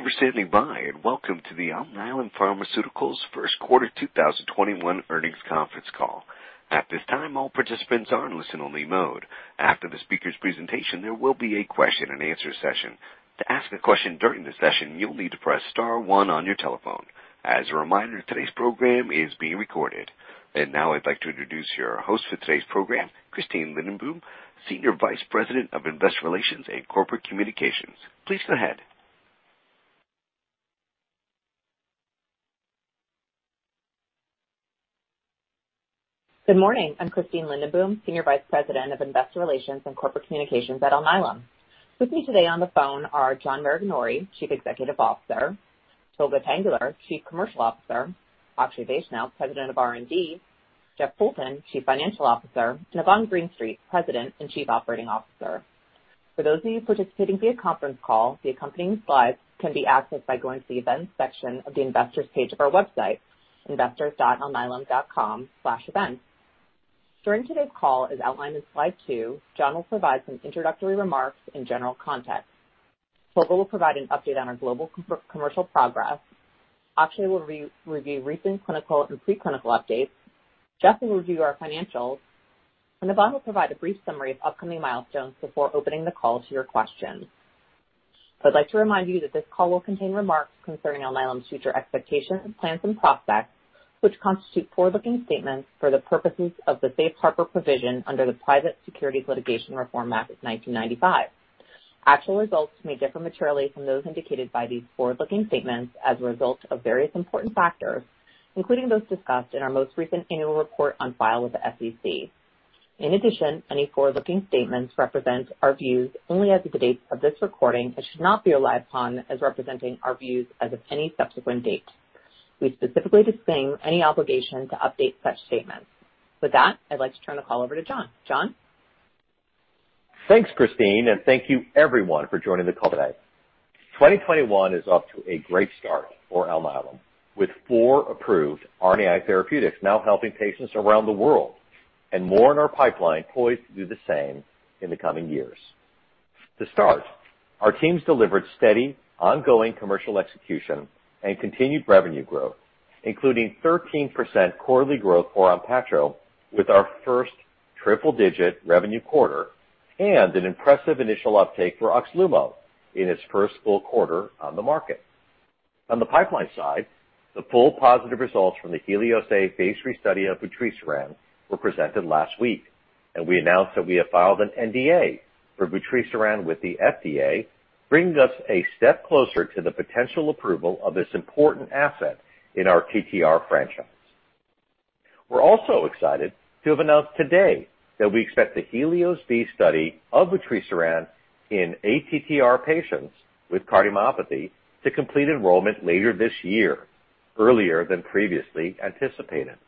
Thank you for standing by and welcome to the Alnylam Pharmaceuticals First Quarter 2021 earnings conference call. At this time, all participants are in listen-only mode. After the speaker's presentation, there will be a question-and-answer session. To ask a question during the session, you'll need to press star one on your telephone. As a reminder, today's program is being recorded. And now I'd like to introduce your host for today's program, Christine Lindenboom, Senior Vice President of Investor Relations and Corporate Communications. Please go ahead. Good morning. I'm Christine Lindenboom, Senior Vice President of Investor Relations and Corporate Communications at Alnylam. With me today on the phone are John Maraganore, Chief Executive Officer, Tolga Tanguler, Chief Commercial Officer, Akshay Vaishnaw, President of R&D, Jeff Poulton, Chief Financial Officer, and Yvonne Greenstreet, President and Chief Operating Officer. For those of you participating via conference call, the accompanying slides can be accessed by going to the events section of the investors' page of our website, investors.alnylam.com/events. During today's call, as outlined in slide two, John will provide some introductory remarks in general context. Tolga will provide an update on our global commercial progress. Akshay will review recent clinical and preclinical updates. Jeff will review our financials. And Yvonne will provide a brief summary of upcoming milestones before opening the call to your questions. I'd like to remind you that this call will contain remarks concerning Alnylam's future expectations, plans, and prospects, which constitute forward-looking statements for the purposes of the Safe Harbor provision under the Private Securities Litigation Reform Act of 1995. Actual results may differ materially from those indicated by these forward-looking statements as a result of various important factors, including those discussed in our most recent annual report on file with the SEC. In addition, any forward-looking statements represent our views only as of the date of this recording and should not be relied upon as representing our views as of any subsequent date. We specifically disclaim any obligation to update such statements. With that, I'd like to turn the call over to John. John? Thanks, Christine, and thank you everyone for joining the call today. 2021 is off to a great start for Alnylam, with four approved RNAi therapeutics now helping patients around the world, and more in our pipeline poised to do the same in the coming years. To start, our teams delivered steady, ongoing commercial execution and continued revenue growth, including 13% quarterly growth for ONPATTRO with our first triple-digit revenue quarter and an impressive initial uptake for OXLUMO in its first full quarter on the market. On the pipeline side, the full positive results from the HELIOS-A phase III study of vutrisiran were presented last week, and we announced that we have filed an NDA for vutrisiran with the FDA, bringing us a step closer to the potential approval of this important asset in our TTR franchise. We're also excited to have announced today that we expect the HELIOS-B study of vutrisiran in ATTR patients with cardiomyopathy to complete enrollment later this year, earlier than previously anticipated.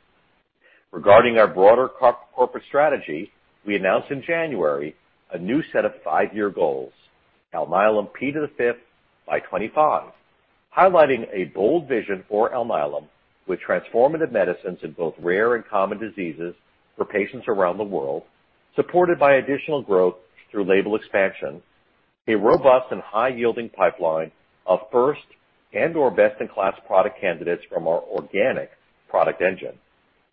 Regarding our broader corporate strategy, we announced in January a new set of five-year goals: Alnylam P5x25 by 2025, highlighting a bold vision for Alnylam with transformative medicines in both rare and common diseases for patients around the world, supported by additional growth through label expansion, a robust and high-yielding pipeline of first and/or best-in-class product candidates from our organic product engine,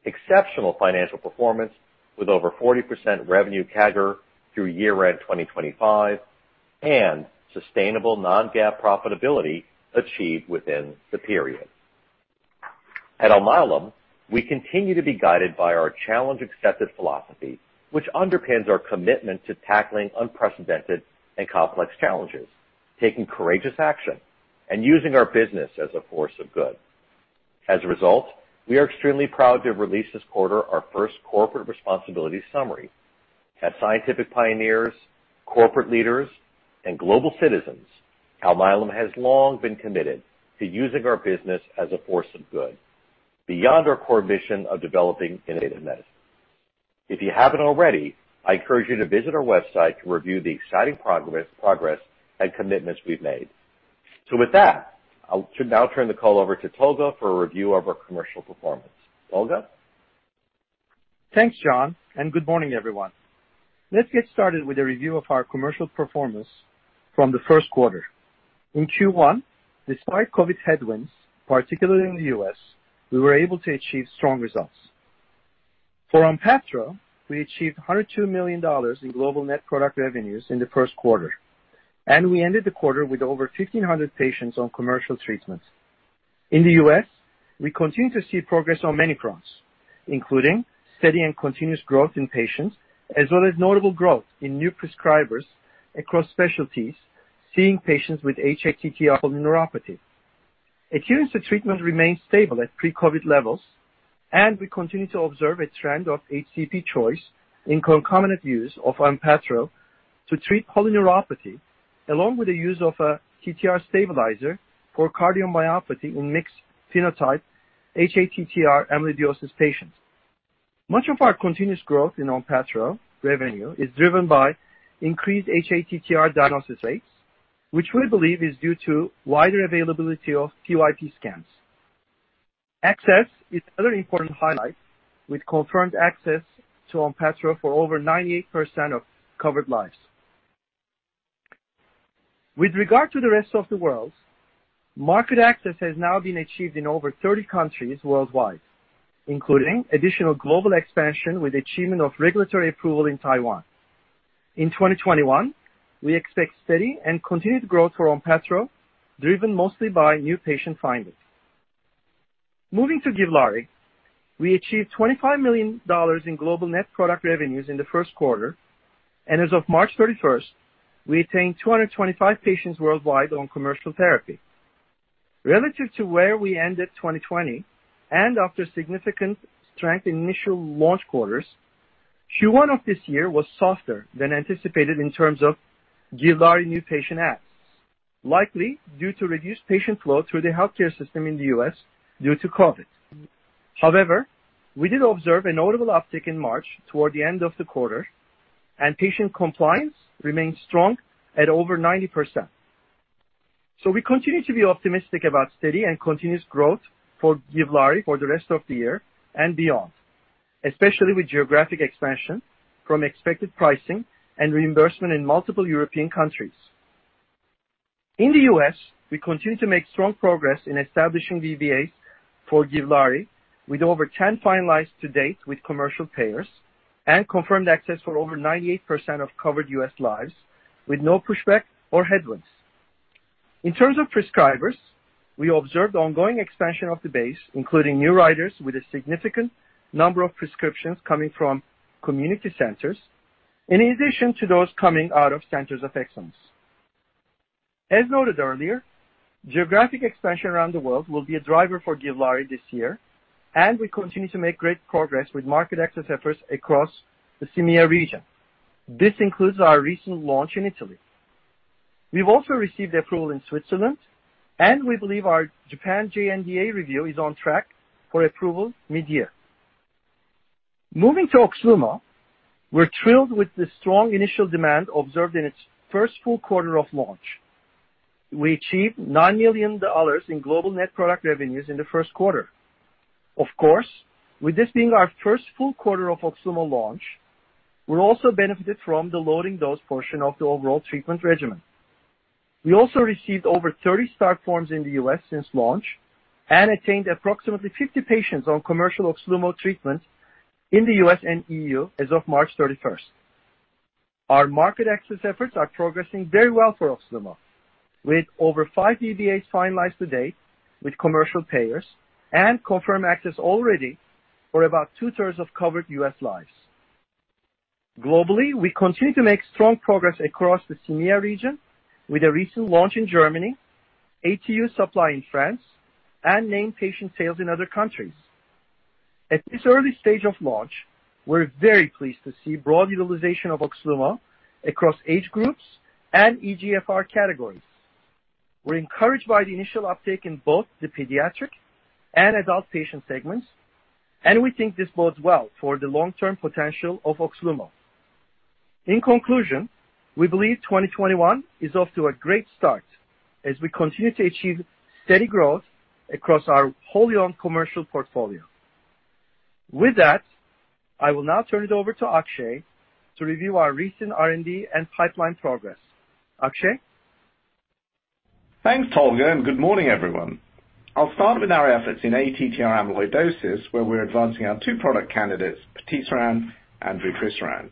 exceptional financial performance with over 40% revenue CAGR through year-end 2025, and sustainable non-GAAP profitability achieved within the period. At Alnylam, we continue to be guided by our challenge-accepted philosophy, which underpins our commitment to tackling unprecedented and complex challenges, taking courageous action, and using our business as a force of good. As a result, we are extremely proud to have released this quarter our first corporate responsibility summary. As scientific pioneers, corporate leaders, and global citizens, Alnylam has long been committed to using our business as a force of good beyond our core mission of developing innovative medicines. If you haven't already, I encourage you to visit our website to review the exciting progress and commitments we've made. So with that, I should now turn the call over to Tolga for a review of our commercial performance. Tolga? Thanks, John, and good morning, everyone. Let's get started with a review of our commercial performance from the first quarter. In Q1, despite COVID headwinds, particularly in the U.S., we were able to achieve strong results. For ONPATTRO, we achieved $102 million in global net product revenues in the first quarter, and we ended the quarter with over 1,500 patients on commercial treatment. In the U.S., we continue to see progress on many fronts, including steady and continuous growth in patients, as well as notable growth in new prescribers across specialties seeing patients with hATTR polyneuropathy. Adherence to treatment remains stable at pre-COVID levels, and we continue to observe a trend of HCP choice in concomitant use of ONPATTRO to treat polyneuropathy, along with the use of a TTR stabilizer for cardiomyopathy in mixed phenotype hATTR amyloidosis patients. Much of our continuous growth in ONPATTRO revenue is driven by increased hATTR diagnosis rates, which we believe is due to wider availability of PYP scans. Access is another important highlight, with confirmed access to ONPATTRO for over 98% of covered lives. With regard to the rest of the world, market access has now been achieved in over 30 countries worldwide, including additional global expansion with achievement of regulatory approval in Taiwan. In 2021, we expect steady and continued growth for ONPATTRO, driven mostly by new patient findings. Moving to GIVLAARI, we achieved $25 million in global net product revenues in the first quarter, and as of March 31st, we attained 225 patients worldwide on commercial therapy. Relative to where we ended 2020 and after significant strength in initial launch quarters, Q1 of this year was softer than anticipated in terms of GIVLAARI new patient adds, likely due to reduced patient flow through the healthcare system in the U.S. due to COVID. However, we did observe a notable uptick in March toward the end of the quarter, and patient compliance remained strong at over 90%. So we continue to be optimistic about steady and continuous growth for GIVLAARI for the rest of the year and beyond, especially with geographic expansion from expected pricing and reimbursement in multiple European countries. In the U.S., we continue to make strong progress in establishing VBAs for GIVLAARI with over 10 finalized to date with commercial payers and confirmed access for over 98% of covered U.S. lives, with no pushback or headwinds. In terms of prescribers, we observed ongoing expansion of the base, including new writers with a significant number of prescriptions coming from community centers, in addition to those coming out of centers of excellence. As noted earlier, geographic expansion around the world will be a driver for GIVLAARI this year, and we continue to make great progress with market access efforts across the CEMEA region. This includes our recent launch in Italy. We've also received approval in Switzerland, and we believe our Japan J-NDA review is on track for approval mid-year. Moving to OXLUMO, we're thrilled with the strong initial demand observed in its first full quarter of launch. We achieved $9 million in global net product revenues in the first quarter. Of course, with this being our first full quarter of OXLUMO launch, we're also benefited from the loading dose portion of the overall treatment regimen. We also received over 30 start forms in the U.S. since launch and attained approximately 50 patients on commercial OXLUMO treatment in the U.S. and E.U. as of March 31st. Our market access efforts are progressing very well for OXLUMO, with over five VBAs finalized to date with commercial payers and confirmed access already for about two-thirds of covered U.S. lives. Globally, we continue to make strong progress across the CEMEA region with a recent launch in Germany, ATU supply in France, and named patient sales in other countries. At this early stage of launch, we're very pleased to see broad utilization of OXLUMO across age groups and eGFR categories. We're encouraged by the initial uptake in both the pediatric and adult patient segments, and we think this bodes well for the long-term potential of OXLUMO. In conclusion, we believe 2021 is off to a great start as we continue to achieve steady growth across our wholly-owned commercial portfolio. With that, I will now turn it over to Akshay to review our recent R&D and pipeline progress. Akshay? Thanks, Tolga, and good morning, everyone. I'll start with our efforts in ATTR amyloidosis, where we're advancing our two product candidates, patisiran and vutrisiran.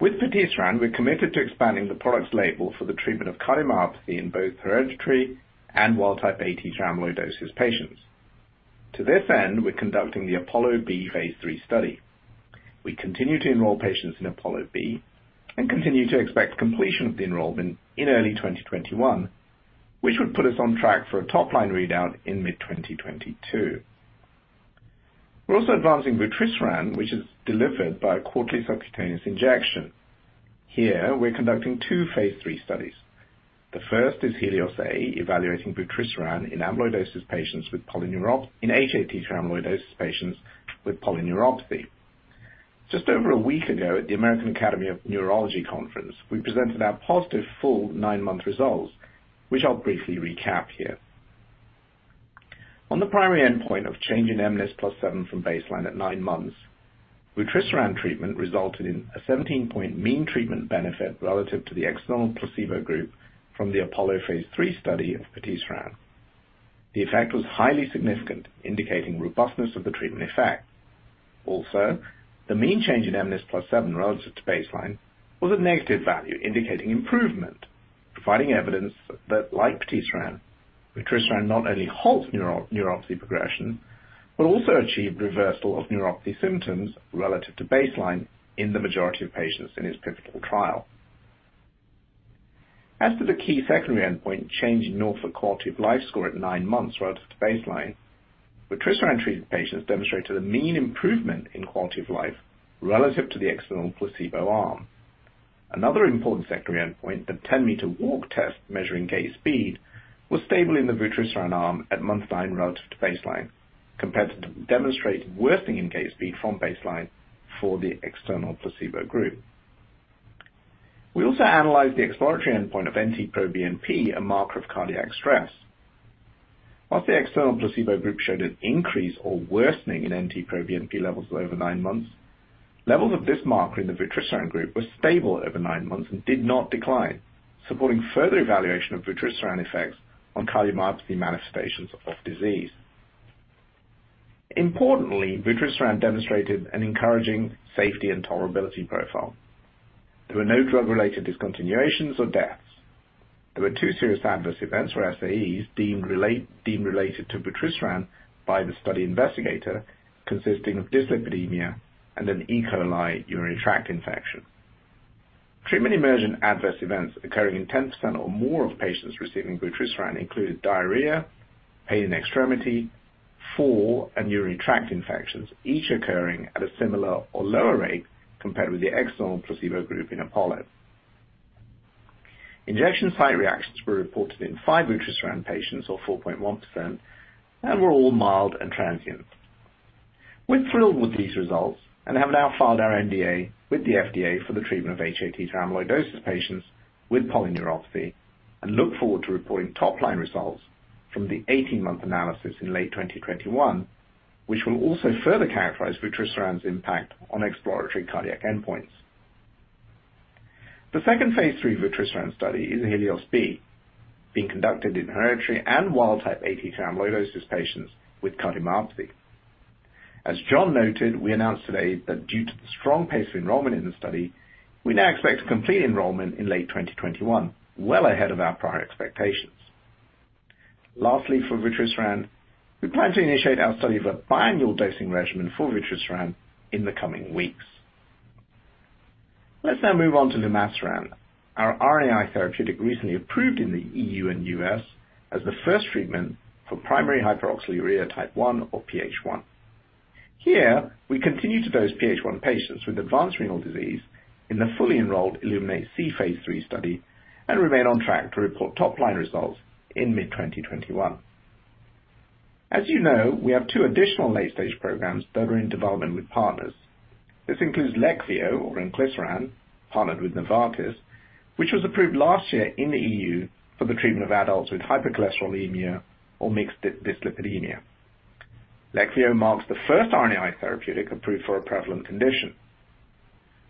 With patisiran, we're committed to expanding the product's label for the treatment of cardiomyopathy in both hereditary and wild-type ATTR amyloidosis patients. To this end, we're conducting the APOLLO-B phase III study. We continue to enroll patients in APOLLO-B and continue to expect completion of the enrollment in early 2021, which would put us on track for a top-line readout in mid-2022. We're also advancing vutrisiran, which is delivered by a quarterly subcutaneous injection. Here, we're conducting two phase III studies. The first is HELIOS-A evaluating vutrisiran in hATTR amyloidosis patients with polyneuropathy. Just over a week ago, at the American Academy of Neurology conference, we presented our positive full nine-month results, which I'll briefly recap here. On the primary endpoint of changing mNIS+7 from baseline at nine months, vutrisiran treatment resulted in a 17-point mean treatment benefit relative to the external placebo group from the APOLLO phase III study of patisiran. The effect was highly significant, indicating robustness of the treatment effect. Also, the mean change in mNIS+7 relative to baseline was a negative value, indicating improvement, providing evidence that, like patisiran, vutrisiran not only halts neuropathy progression but also achieved reversal of neuropathy symptoms relative to baseline in the majority of patients in its pivotal trial. As to the key secondary endpoint, change in Norfolk quality of life score at nine months relative to baseline, vutrisiran-treated patients demonstrated a mean improvement in quality of life relative to the external placebo arm. Another important secondary endpoint, the 10-meter walk test measuring gait speed, was stable in the vutrisiran arm at month nine relative to baseline, compared to demonstrated worsening in gait speed from baseline for the external placebo group. We also analyzed the exploratory endpoint of NT-proBNP, a marker of cardiac stress. While the external placebo group showed an increase or worsening in NT-proBNP levels over nine months, levels of this marker in the vutrisiran group were stable over nine months and did not decline, supporting further evaluation of vutrisiran effects on cardiomyopathy manifestations of disease. Importantly, vutrisiran demonstrated an encouraging safety and tolerability profile. There were no drug-related discontinuations or deaths. There were two serious adverse events or SAEs deemed related to vutrisiran by the study investigator, consisting of dyslipidemia and an E. coli urinary tract infection. Treatment-emergent adverse events occurring in 10% or more of patients receiving vutrisiran included diarrhea, pain in extremity, fall, and urinary tract infections, each occurring at a similar or lower rate compared with the external placebo group in APOLLO. Injection site reactions were reported in five vutrisiran patients, or 4.1%, and were all mild and transient. We're thrilled with these results and have now filed our NDA with the FDA for the treatment of hATTR amyloidosis patients with polyneuropathy and look forward to reporting top-line results from the 18-month analysis in late 2021, which will also further characterize vutrisiran's impact on exploratory cardiac endpoints. The second phase III vutrisiran study is HELIOS-B, being conducted in hereditary and wild-type ATTR amyloidosis patients with cardiomyopathy. As John noted, we announced today that due to the strong pace of enrollment in the study, we now expect complete enrollment in late 2021, well ahead of our prior expectations. Lastly, for vutrisiran, we plan to initiate our study of a biannual dosing regimen for vutrisiran in the coming weeks. Let's now move on to lumasiran, our RNAi therapeutic recently approved in the EU and US as the first treatment for primary hyperoxaluria type 1, or PH1. Here, we continue to dose PH1 patients with advanced renal disease in the fully-enrolled ILLUMINATE-C phase III study and remain on track to report top-line results in mid-2021. As you know, we have two additional late-stage programs that are in development with partners. This includes Leqvio, or inclisiran, partnered with Novartis, which was approved last year in the EU for the treatment of adults with hypercholesterolemia or mixed dyslipidemia. Leqvio marks the first RNAi therapeutic approved for a prevalent condition.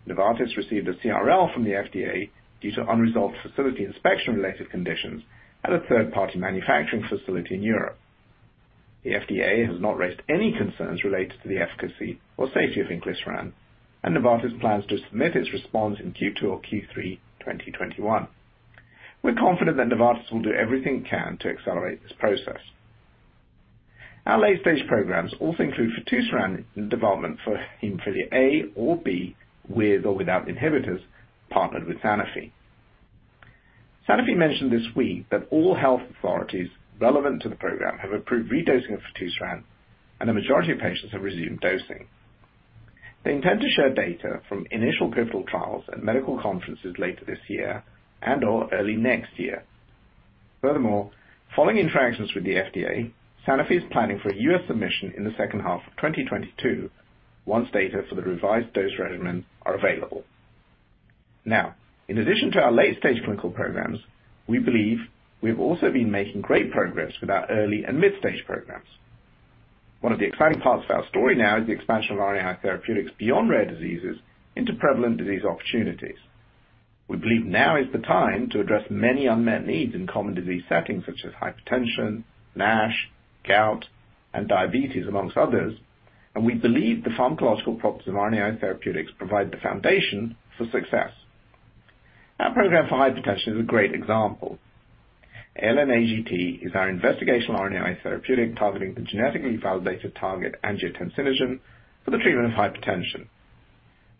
Novartis received a CRL from the FDA due to unresolved facility inspection-related conditions at a third-party manufacturing facility in Europe. The FDA has not raised any concerns related to the efficacy or safety of inclisiran, and Novartis plans to submit its response in Q2 or Q3 2021. We're confident that Novartis will do everything it can to accelerate this process. Our late-stage programs also include fitusiran in development for hemophilia A or B with or without inhibitors, partnered with Sanofi. Sanofi mentioned this week that all health authorities relevant to the program have approved redosing of fitusiran, and the majority of patients have resumed dosing. They intend to share data from initial pivotal trials at medical conferences later this year and/or early next year. Furthermore, following interactions with the FDA, Sanofi is planning for a U.S. submission in the second half of 2022 once data for the revised dose regimen are available. Now, in addition to our late-stage clinical programs, we believe we have also been making great progress with our early and mid-stage programs. One of the exciting parts of our story now is the expansion of RNAi therapeutics beyond rare diseases into prevalent disease opportunities. We believe now is the time to address many unmet needs in common disease settings such as hypertension, NASH, gout, and diabetes, amongst others, and we believe the pharmacological properties of RNAi therapeutics provide the foundation for success. Our program for hypertension is a great example. ALN-AGT is our investigational RNAi therapeutic targeting the genetically validated target angiotensinogen for the treatment of hypertension.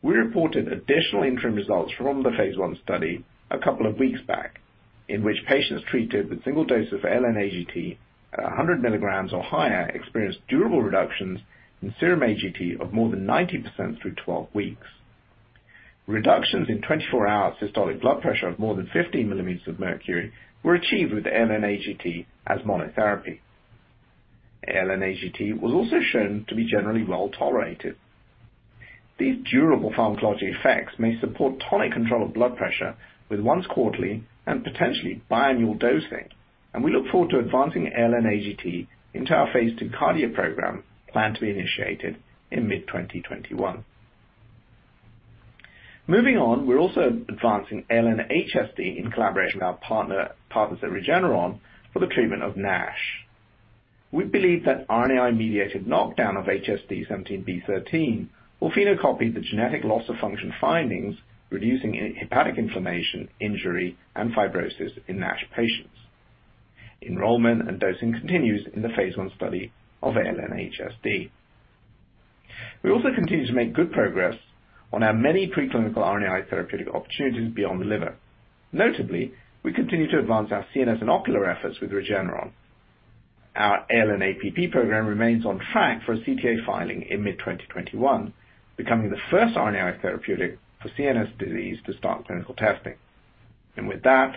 We reported additional interim results from the phase 1 study a couple of weeks back, in which patients treated with single doses of ALN-AGT at 100 milligrams or higher experienced durable reductions in serum AGT of more than 90% through 12 weeks. Reductions in 24-hour systolic blood pressure of more than 15 millimeters of mercury were achieved with ALN-AGT as monotherapy. ALN-AGT was also shown to be generally well tolerated. These durable pharmacological effects may support tonic control of blood pressure with once-quarterly and potentially biannual dosing, and we look forward to advancing ALN-AGT into our phase II cardiac program planned to be initiated in mid-2021. Moving on, we're also advancing ALN-HSD in collaboration with our partners at Regeneron for the treatment of NASH. We believe that RNAi-mediated knockdown of HSD17B13 will phenocopy the genetic loss of function findings, reducing hepatic inflammation, injury, and fibrosis in NASH patients. Enrollment and dosing continues in the phase I study of ALN-HSD. We also continue to make good progress on our many preclinical RNAi therapeutic opportunities beyond the liver. Notably, we continue to advance our CNS and ocular efforts with Regeneron. Our ALN-APP program remains on track for a CTA filing in mid-2021, becoming the first RNAi therapeutic for CNS disease to start clinical testing. And with that,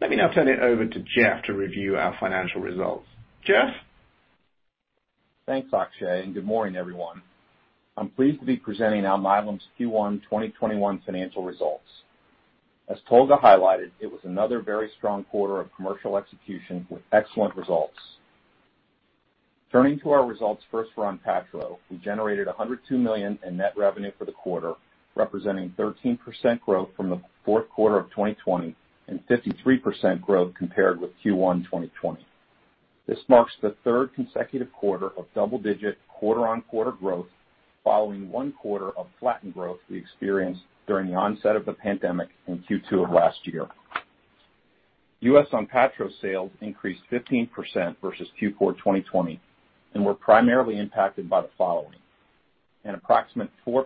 let me now turn it over to Jeff to review our financial results. Jeff? Thanks, Akshay, and good morning, everyone. I'm pleased to be presenting Alnylam's Q1 2021 financial results. As Tolga highlighted, it was another very strong quarter of commercial execution with excellent results. Turning to our results first for ONPATTRO, we generated $102 million in net revenue for the quarter, representing 13% growth from the fourth quarter of 2020 and 53% growth compared with Q1 2020. This marks the third consecutive quarter of double-digit quarter-on-quarter growth, following one quarter of flattened growth we experienced during the onset of the pandemic in Q2 of last year. U.S. ONPATTRO sales increased 15% versus Q4 2020 and were primarily impacted by the following: an approximate 4%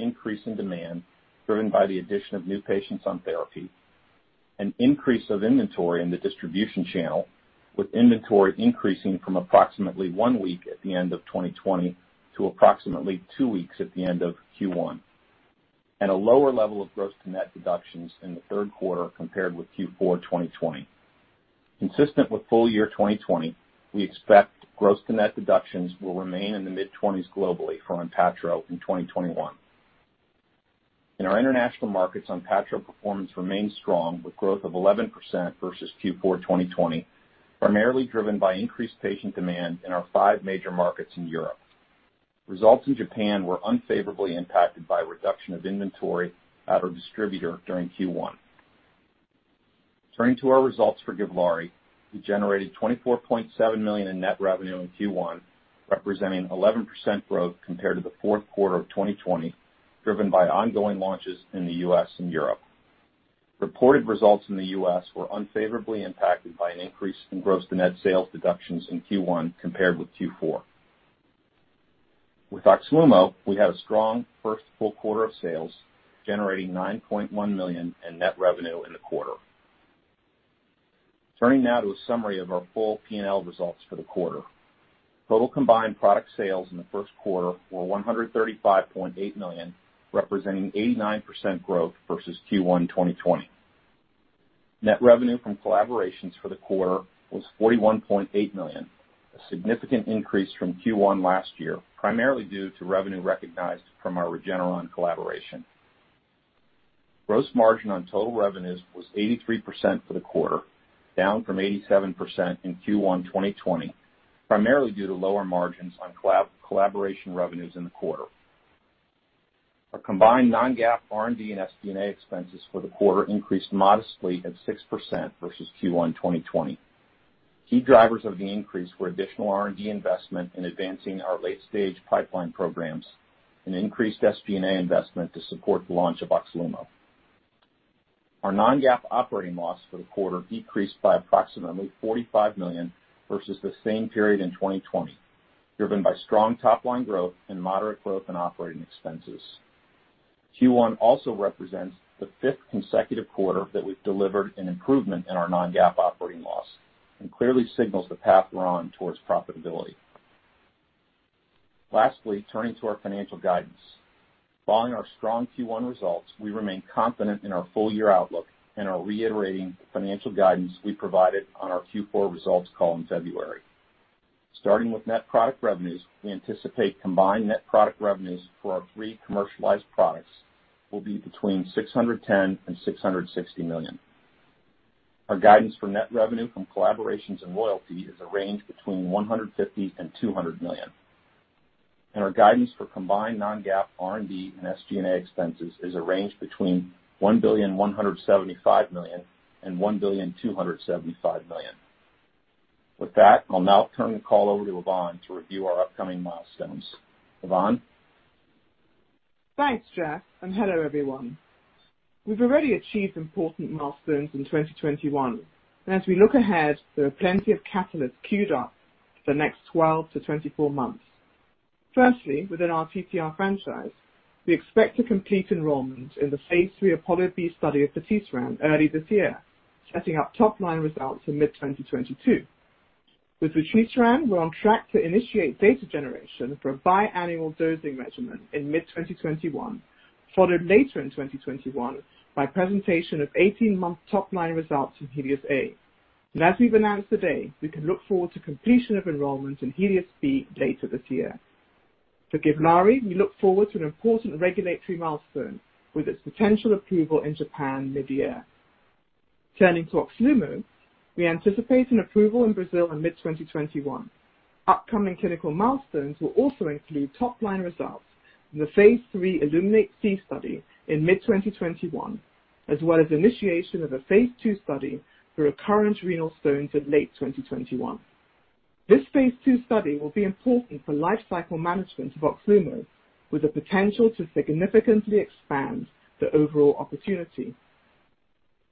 increase in demand driven by the addition of new patients on therapy, an increase of inventory in the distribution channel, with inventory increasing from approximately one week at the end of 2020 to approximately two weeks at the end of Q1, and a lower level of gross to net deductions in the third quarter compared with Q4 2020. Consistent with full year 2020, we expect gross to net deductions will remain in the mid-20s% globally for ONPATTRO in 2021. In our international markets, ONPATTRO performance remains strong, with growth of 11% versus Q4 2020, primarily driven by increased patient demand in our five major markets in Europe. Results in Japan were unfavorably impacted by reduction of inventory at our distributor during Q1. Turning to our results for GIVLAARI, we generated $24.7 million in net revenue in Q1, representing 11% growth compared to the fourth quarter of 2020, driven by ongoing launches in the U.S. and Europe. Reported results in the US were unfavorably impacted by an increase in gross to net sales deductions in Q1 compared with Q4. With OXLUMO, we had a strong first full quarter of sales, generating $9.1 million in net revenue in the quarter. Turning now to a summary of our full P&L results for the quarter. Total combined product sales in the first quarter were $135.8 million, representing 89% growth versus Q1 2020. Net revenue from collaborations for the quarter was $41.8 million, a significant increase from Q1 last year, primarily due to revenue recognized from our Regeneron collaboration. Gross margin on total revenues was 83% for the quarter, down from 87% in Q1 2020, primarily due to lower margins on collaboration revenues in the quarter. Our combined non-GAAP R&D and SG&A expenses for the quarter increased modestly at 6% versus Q1 2020. Key drivers of the increase were additional R&D investment in advancing our late-stage pipeline programs and increased SG&A investment to support the launch of OXLUMO. Our non-GAAP operating loss for the quarter decreased by approximately $45 million versus the same period in 2020, driven by strong top-line growth and moderate growth in operating expenses. Q1 also represents the fifth consecutive quarter that we've delivered an improvement in our non-GAAP operating loss and clearly signals the path we're on towards profitability. Lastly, turning to our financial guidance. Following our strong Q1 results, we remain confident in our full-year outlook and are reiterating the financial guidance we provided on our Q4 results call in February. Starting with net product revenues, we anticipate combined net product revenues for our three commercialized products will be between $610 million-$660 million. Our guidance for net revenue from collaborations and royalty is a range between $150 million-$200 million. And our guidance for combined non-GAAP R&D and SG&A expenses is a range between $1.175 billion-$1.275 billion. With that, I'll now turn the call over to Yvonne to review our upcoming milestones. Yvonne? Thanks, Jeff, and hello everyone. We've already achieved important milestones in 2021, and as we look ahead, there are plenty of catalysts queued up for the next 12 to 24 months. Firstly, within our TTR franchise, we expect to complete enrollment in the phase III APOLLO-B study of fitusiran early this year, setting up top-line results in mid-2022. With fitusiran, we're on track to initiate data generation for a biannual dosing regimen in mid-2021, followed later in 2021 by presentation of 18-month top-line results in HELIOS-A. And as we've announced today, we can look forward to completion of enrollment in HELIOS-B later this year. For GIVLAARI, we look forward to an important regulatory milestone with its potential approval in Japan mid-year. Turning to OXLUMO, we anticipate an approval in Brazil in mid-2021. Upcoming clinical milestones will also include top-line results in the phase III ILLUMINATE-C study in mid-2021, as well as initiation of a phase II study for recurrent renal stones in late 2021. This phase II study will be important for life cycle management of OXLUMO, with the potential to significantly expand the overall opportunity.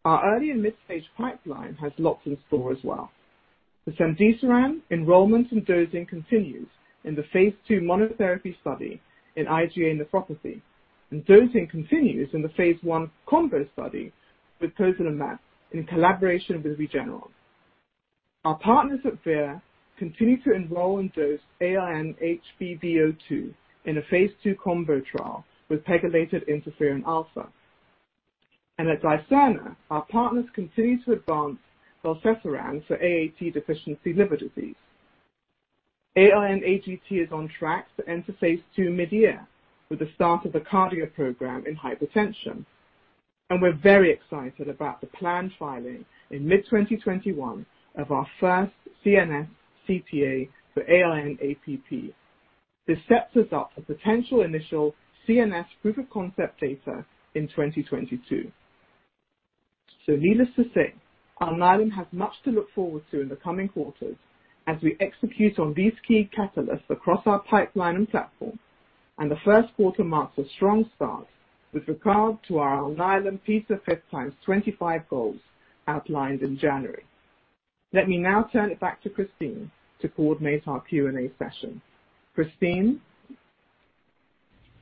Our early and mid-stage pipeline has lots in store as well. For Cemdisiran, enrollment and dosing continues in the phase II monotherapy study in IgA nephropathy, and dosing continues in the phase I combo study with pozelimab in collaboration with Regeneron. Our partners at Vir continue to enroll and dose ALN-HBV02 in a phase II combo trial with pegylated interferon alpha. And at Dicerna, our partners continue to advance belcesiran for AAT deficiency liver disease. ALN-AGT is on track to enter phase II mid-year with the start of the cardio program in hypertension. We're very excited about the planned filing in mid-2021 of our first CNS CTA for ALN-APP. This sets us up for potential initial CNS proof-of-concept data in 2022. Needless to say, Alnylam has much to look forward to in the coming quarters as we execute on these key catalysts across our pipeline and platform, and the first quarter marks a strong start with regard to our Alnylam P5x25 goals outlined in January. Let me now turn it back to Christine to coordinate our Q&A session. Christine?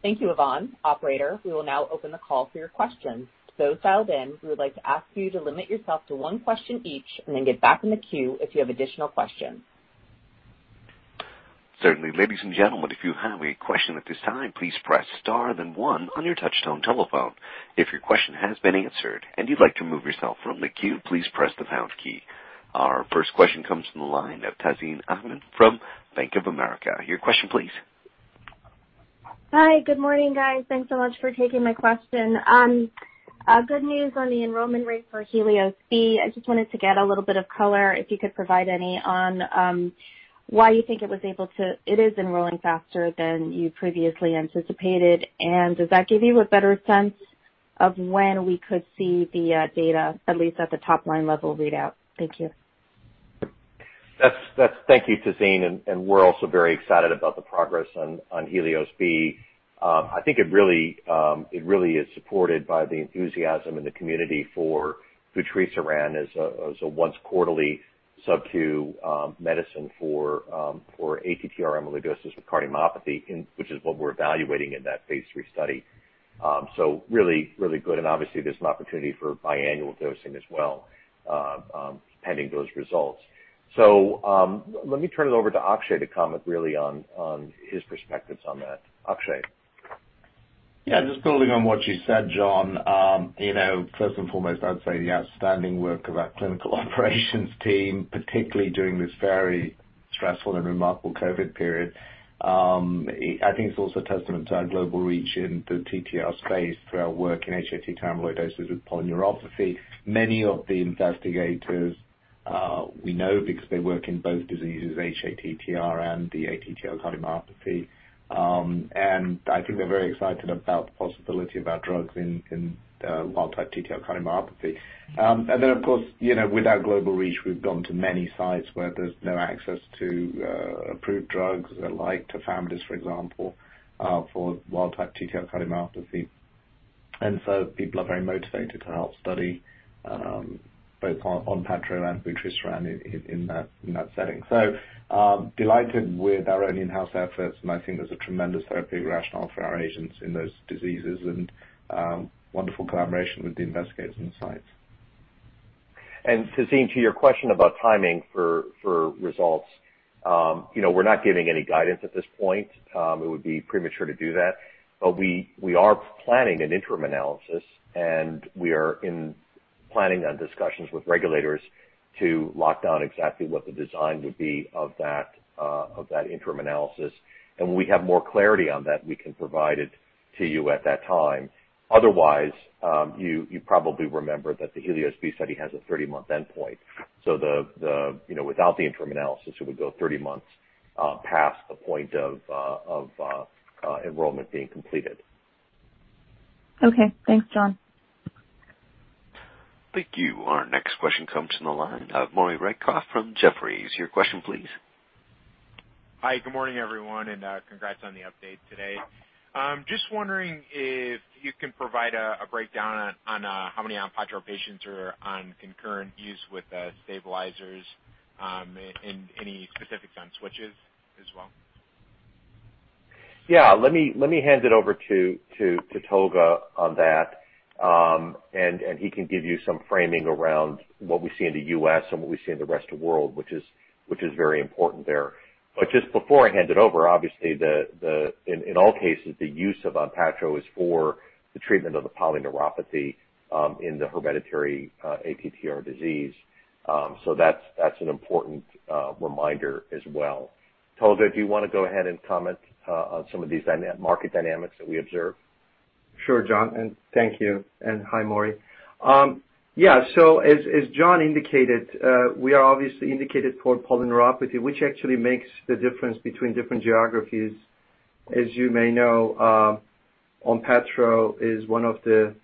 Thank you, Yvonne. Operator, we will now open the call for your questions. For those dialed in, we would like to ask you to limit yourself to one question each and then get back in the queue if you have additional questions. Certainly. Ladies and gentlemen, if you have a question at this time, please press star then one on your touch-tone telephone. If your question has been answered and you'd like to remove yourself from the queue, please press the pound key. Our first question comes from the line of Tazeen Ahmad from Bank of America. Your question, please. Hi, good morning, guys. Thanks so much for taking my question. Good news on the enrollment rate for HELIOS-B. I just wanted to get a little bit of color, if you could provide any, on why you think it was able to - it is enrolling faster than you previously anticipated. And does that give you a better sense of when we could see the data, at least at the top-line level readout? Thank you. Thank you, Tazeen, and we're also very excited about the progress on HELIOS-B. I think it really is supported by the enthusiasm in the community for vutrisiran as a once-quarterly sub-Q medicine for ATTR amyloidosis with cardiomyopathy, which is what we're evaluating in that phase III study. So really, really good. And obviously, there's an opportunity for biannual dosing as well, pending those results. So let me turn it over to Akshay to comment really on his perspectives on that. Akshay? Yeah, just building on what you said, John. First and foremost, I'd say the outstanding work of our clinical operations team, particularly during this very stressful and remarkable COVID period. I think it's also a testament to our global reach in the TTR space through our work in hATTR amyloidosis with polyneuropathy. Many of the investigators we know because they work in both diseases, hATTR and the ATTR cardiomyopathy. And I think they're very excited about the possibility of our drugs in wild-type TTR cardiomyopathy. And then, of course, with our global reach, we've gone to many sites where there's no access to approved drugs, like tafamidis, for example, for wild-type TTR cardiomyopathy. And so people are very motivated to help study both ONPATTRO and fitusiran in that setting. So delighted with our own in-house efforts, and I think there's a tremendous therapeutic rationale for our agents in those diseases and wonderful collaboration with the investigators on the sites. Tazeen, to your question about timing for results, we're not giving any guidance at this point. It would be premature to do that. But we are planning an interim analysis, and we are planning on discussions with regulators to lock down exactly what the design would be of that interim analysis. And when we have more clarity on that, we can provide it to you at that time. Otherwise, you probably remember that the HELIOS-B study has a 30-month endpoint. So without the interim analysis, it would go 30 months past the point of enrollment being completed. Okay. Thanks, John. Thank you. Our next question comes from the line of Maury Raycroft from Jefferies. Your question, please. Hi, good morning, everyone, and congrats on the update today. Just wondering if you can provide a breakdown on how many ONPATTRO patients are on concurrent use with stabilizers and any specifics on switches as well? Yeah. Let me hand it over to Tolga on that, and he can give you some framing around what we see in the U.S. and what we see in the rest of the world, which is very important there. But just before I hand it over, obviously, in all cases, the use of ONPATTRO is for the treatment of the polyneuropathy in the hereditary ATTR disease. So that's an important reminder as well. Tolga, do you want to go ahead and comment on some of these market dynamics that we observe? Sure, John. And thank you. And hi, Maury. Yeah. So as John indicated, we are obviously indicated for polyneuropathy, which actually makes the difference between different geographies. As you may know, ONPATTRO is one of the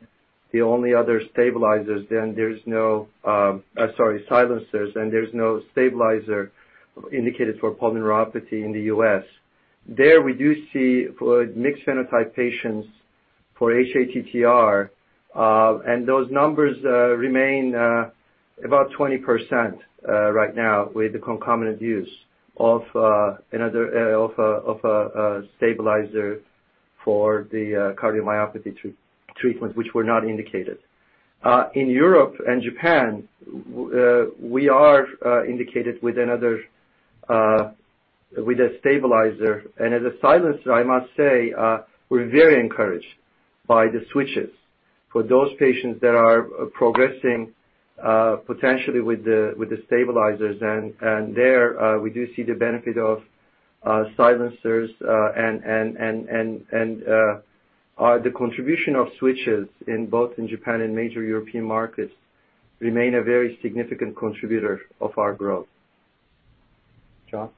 only other stabilizers, and there's no, sorry, silencers, and there's no stabilizer indicated for polyneuropathy in the U.S. There, we do see mixed phenotype patients for hATTR, and those numbers remain about 20% right now with the concomitant use of another stabilizer for the cardiomyopathy treatment, which were not indicated. In Europe and Japan, we are indicated with a stabilizer. And as a silencer, I must say, we're very encouraged by the switches for those patients that are progressing potentially with the stabilizers. And there, we do see the benefit of silencers, and the contribution of switches both in Japan and major European markets remain a very significant contributor of our growth. John?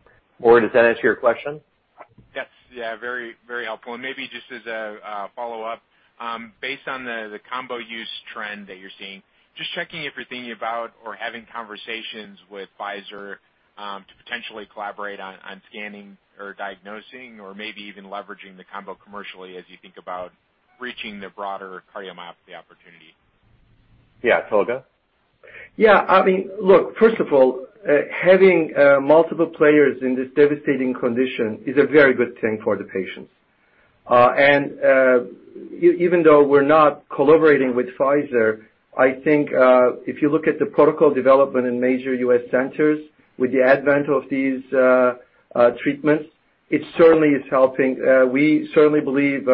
Maury, does that answer your question? Yes. Yeah, very helpful. And maybe just as a follow-up, based on the combo use trend that you're seeing, just checking if you're thinking about or having conversations with Pfizer to potentially collaborate on scanning or diagnosing or maybe even leveraging the combo commercially as you think about reaching the broader cardiomyopathy opportunity? Yeah. Tolga? Yeah. I mean, look, first of all, having multiple players in this devastating condition is a very good thing for the patients. And even though we're not collaborating with Pfizer, I think if you look at the protocol development in major U.S. centers with the advent of these treatments, it certainly is helping. We certainly believe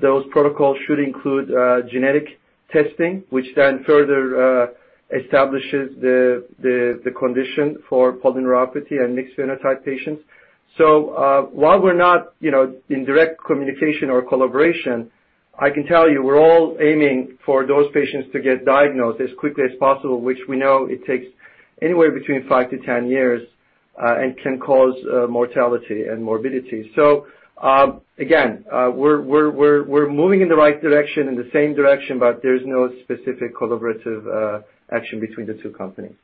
those protocols should include genetic testing, which then further establishes the condition for polyneuropathy and mixed phenotype patients. So while we're not in direct communication or collaboration, I can tell you we're all aiming for those patients to get diagnosed as quickly as possible, which we know it takes anywhere between five to 10 years and can cause mortality and morbidity. So again, we're moving in the right direction, in the same direction, but there's no specific collaborative action between the two companies.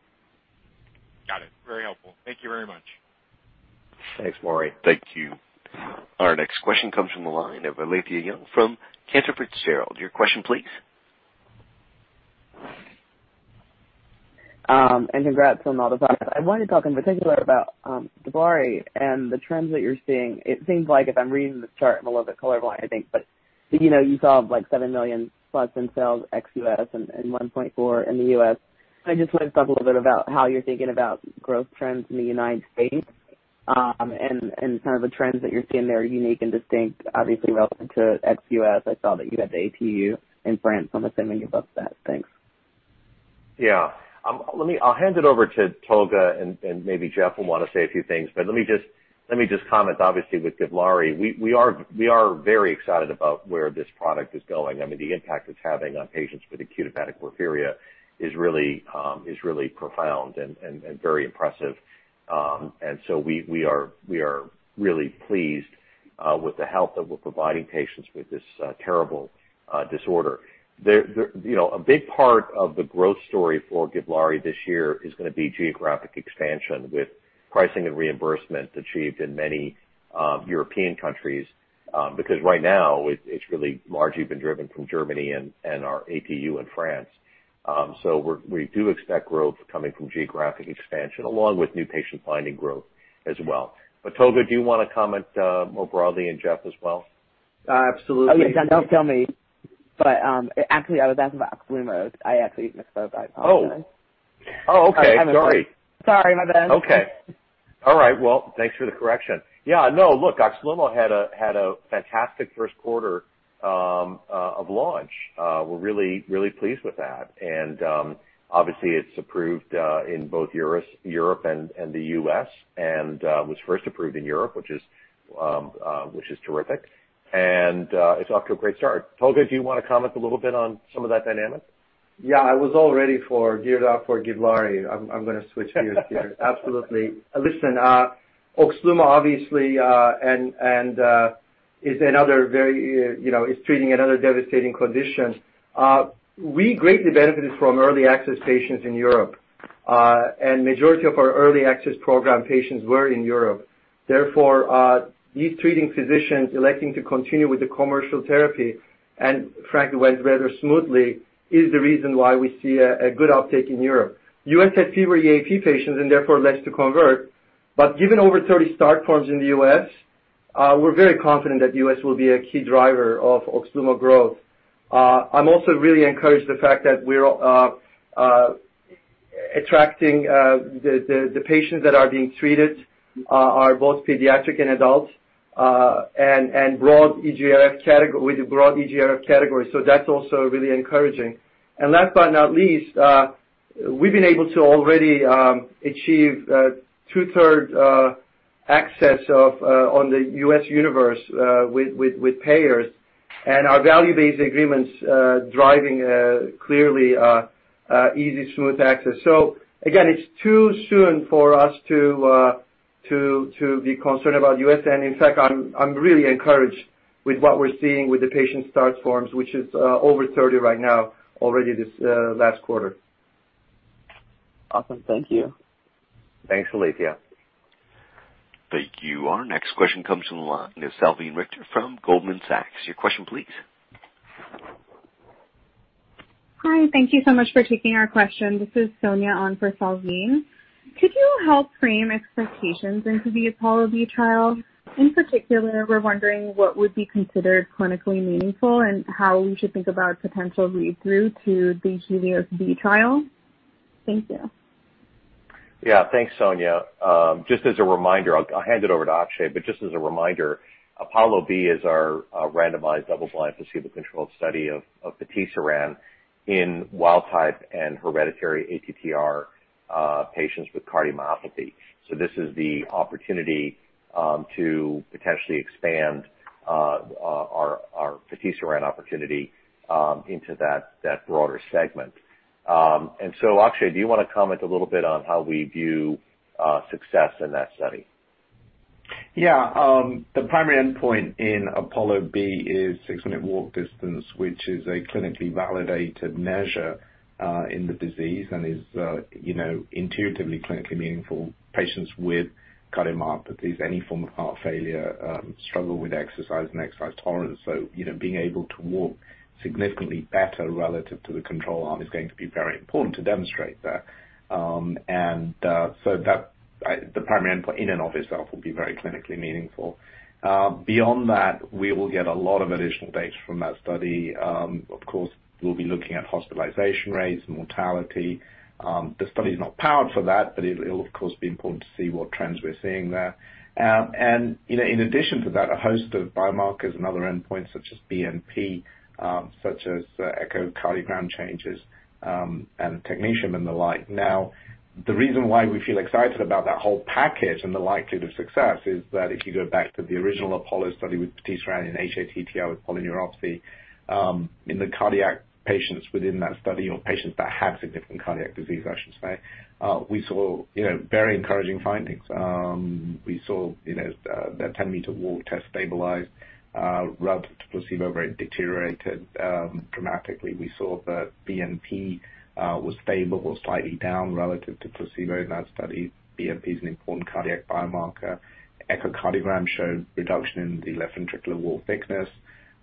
Got it. Very helpful. Thank you very much. Thanks, Maury. Thank you. Our next question comes from the line of Alethia Young from Cantor Fitzgerald. Your question, please. Congrats from all the fans. I wanted to talk in particular about GIVLAARI and the trends that you're seeing. It seems like if I'm reading the chart, I'm a little bit colorful, I think. But you saw $7 million plus in sales XUS and $1.4 million in the U.S.. I just wanted to talk a little bit about how you're thinking about growth trends in the United States and kind of the trends that you're seeing that are unique and distinct, obviously relative to XUS. I saw that you had the ATU in France. I'm assuming you booked that. Thanks. Yeah. I'll hand it over to Tolga, and maybe Jeff will want to say a few things. But let me just comment, obviously, with GIVLAARI. We are very excited about where this product is going. I mean, the impact it's having on patients with acute hepatic porphyria is really profound and very impressive. And so we are really pleased with the help that we're providing patients with this terrible disorder. A big part of the growth story for GIVLAARI this year is going to be geographic expansion with pricing and reimbursement achieved in many European countries because right now, it's really largely been driven from Germany and our ATU in France. So we do expect growth coming from geographic expansion along with new patient finding growth as well. But Tolga, do you want to comment more broadly and Jeff as well? Absolutely. Okay. Don't tell me. But actually, I was asking about OXLUMO. I actually misspoke. I apologize. Oh. Oh, okay. Sorry. Sorry, my bad. Okay. All right. Thanks for the correction. Yeah. No, look, OXLUMO had a fantastic first quarter of launch. We're really pleased with that. Obviously, it's approved in both Europe and the U.S. and was first approved in Europe, which is terrific. It's off to a great start. Tolga, do you want to comment a little bit on some of that dynamic? Yeah. I was all geared up for GIVLAARI. I'm going to switch gears here. Absolutely. Listen, OXLUMO, obviously, is another very, it's treating another devastating condition. We greatly benefited from early access patients in Europe. And the majority of our early access program patients were in Europe. Therefore, these treating physicians electing to continue with the commercial therapy and, frankly, went rather smoothly is the reason why we see a good uptake in Europe. U.S. had fewer EAP patients and therefore less to convert. But given over 30 start forms in the U.S., we're very confident that the U.S. will be a key driver of OXLUMO growth. I'm also really encouraged by the fact that we're attracting the patients that are being treated, both pediatric and adult, and broad eGFR categories. So that's also really encouraging. And last but not least, we've been able to already achieve two-thirds access on the U.S. universe with payers and our value-based agreements driving clearly easy, smooth access. So again, it's too soon for us to be concerned about the U.S. And in fact, I'm really encouraged with what we're seeing with the patient start forms, which is over 30 right now already this last quarter. Awesome. Thank you. Thanks, Alethea. Thank you. Our next question comes from Salveen Richter from Goldman Sachs. Your question, please. Hi. Thank you so much for taking our question. This is Sonja on for Salveen. Could you help frame expectations into the APOLLO-B trial? In particular, we're wondering what would be considered clinically meaningful and how we should think about potential read-through to the HELIOS-B trial. Thank you. Yeah. Thanks, Sonja. Just as a reminder, I'll hand it over to Akshay, but just as a reminder, APOLLO-B is our randomized double-blind placebo-controlled study of vutrisiran in wild-type and hereditary ATTR patients with cardiomyopathy. So this is the opportunity to potentially expand our vutrisiran opportunity into that broader segment. And so, Akshay, do you want to comment a little bit on how we view success in that study? Yeah. The primary endpoint in APOLLO-B is 6-minute walk distance, which is a clinically validated measure in the disease and is intuitively clinically meaningful. Patients with cardiomyopathies, any form of heart failure, struggle with exercise and exercise tolerance. So being able to walk significantly better relative to the control arm is going to be very important to demonstrate that. And so the primary endpoint in and of itself will be very clinically meaningful. Beyond that, we will get a lot of additional data from that study. Of course, we'll be looking at hospitalization rates and mortality. The study is not powered for that, but it'll, of course, be important to see what trends we're seeing there. And in addition to that, a host of biomarkers and other endpoints such as BNP, such as echocardiogram changes, and technetium and the like. Now, the reason why we feel excited about that whole package and the likelihood of success is that if you go back to the original APOLLO study with patisiran and hATTR with polyneuropathy, in the cardiac patients within that study or patients that had significant cardiac disease, I should say, we saw very encouraging findings. We saw that 10-meter walk test stabilized relative to placebo, very deteriorated dramatically. We saw that BNP was stable or slightly down relative to placebo in that study. BNP is an important cardiac biomarker. Echocardiogram showed reduction in the left ventricular wall thickness.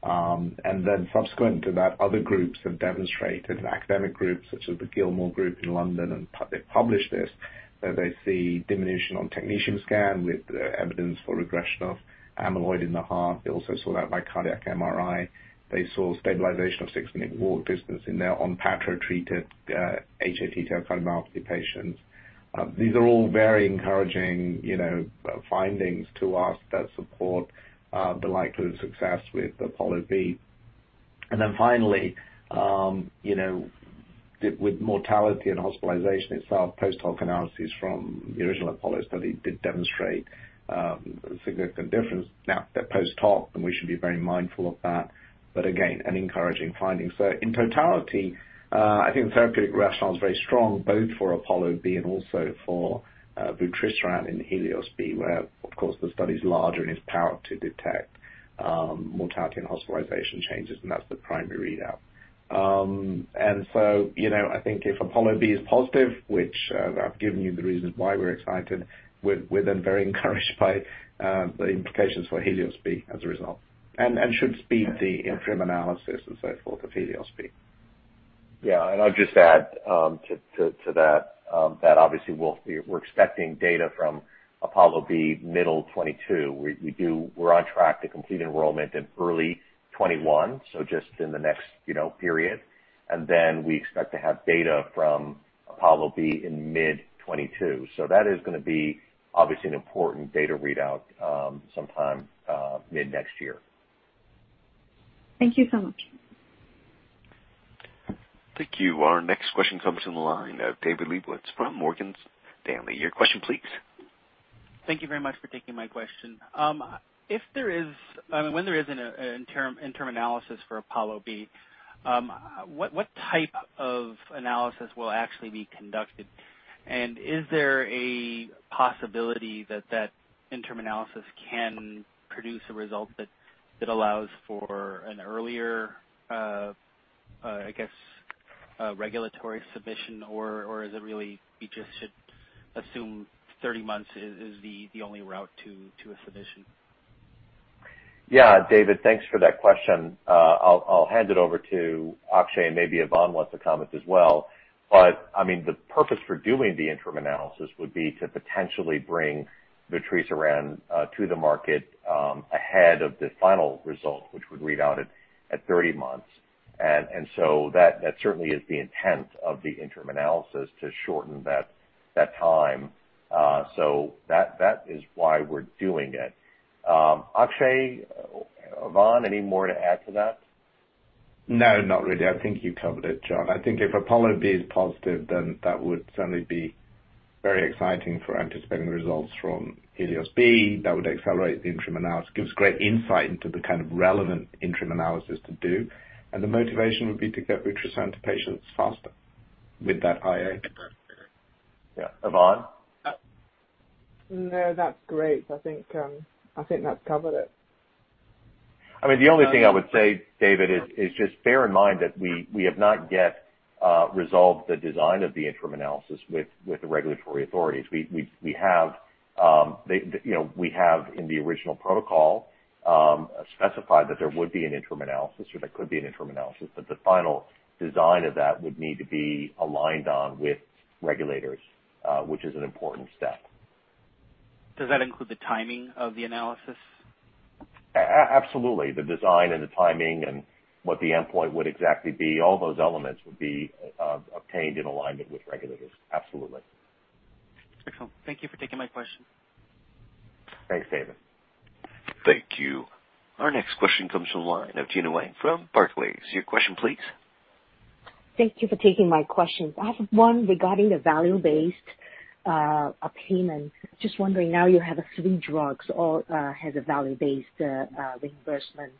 And then subsequent to that, other groups have demonstrated, academic groups such as the Gillmore Group in London, and they published this. They see diminution on technetium scan with evidence for regression of amyloid in the heart. They also saw that by cardiac MRI. They saw stabilization of six-minute walk distance in their ONPATTRO-treated hATTR cardiomyopathy patients. These are all very encouraging findings to us that support the likelihood of success with APOLLO-B. And then finally, with mortality and hospitalization itself, post-hoc analyses from the original APOLLO study did demonstrate a significant difference. Now, they're post-hoc, and we should be very mindful of that. But again, an encouraging finding. So in totality, I think the therapeutic rationale is very strong both for APOLLO-B and also for vutrisiran in HELIOS-B, where, of course, the study is larger and is powered to detect mortality and hospitalization changes, and that's the primary readout. And so, I think if APOLLO-B is positive, which I've given you the reasons why we're excited, we're then very encouraged by the implications for HELIOS-B as a result and should speed the interim analysis and so forth of HELIOS-B. Yeah. And I'll just add to that that obviously, we're expecting data from APOLLO-B middle 2022. We're on track to complete enrollment in early 2021, so just in the next period. And then we expect to have data from APOLLO-B in mid 2022. So that is going to be obviously an important data readout sometime mid next year. Thank you so much. Thank you. Our next question comes from the line of David Lebowitz from Morgan Stanley. Your question, please. Thank you very much for taking my question. If there is, I mean, when there is an interim analysis for APOLLO-B, what type of analysis will actually be conducted, and is there a possibility that that interim analysis can produce a result that allows for an earlier, I guess, regulatory submission, or is it really we just should assume 30 months is the only route to a submission? Yeah. David, thanks for that question. I'll hand it over to Akshay, and maybe Yvonne wants to comment as well. But I mean, the purpose for doing the interim analysis would be to potentially bring vutrisiran to the market ahead of the final result, which would readout at 30 months. And so that certainly is the intent of the interim analysis to shorten that time. So that is why we're doing it. Akshay, Yvonne, any more to add to that? No, not really. I think you covered it, John. I think if APOLLO-B is positive, then that would certainly be very exciting for anticipating results from Helios B. That would accelerate the interim analysis. It gives great insight into the kind of relevant interim analysis to do. And the motivation would be to get vutrisiran to patients faster with that IA. Yeah. Yvonne? No, that's great. I think that's covered it. I mean, the only thing I would say, David, is just bear in mind that we have not yet resolved the design of the interim analysis with the regulatory authorities. We have in the original protocol specified that there would be an interim analysis or there could be an interim analysis, but the final design of that would need to be aligned on with regulators, which is an important step. Does that include the timing of the analysis? Absolutely. The design and the timing and what the endpoint would exactly be, all those elements would be obtained in alignment with regulators. Absolutely. Excellent. Thank you for taking my question. Thanks, David. Thank you. Our next question comes from the line of Gena Wang from Barclays. Your question, please. Thank you for taking my questions. I have one regarding the value-based payment. Just wondering, now you have three drugs, all have a value-based reimbursement.